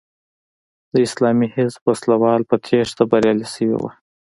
د اسلامي حزب وسله وال په تېښته بریالي شوي وو.